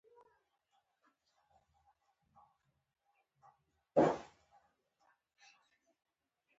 د «حسین» په زغمی زړه کی، د یزید خنجر ځلیږی